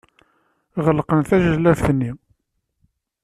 Ɣelqen tajellabt-nni.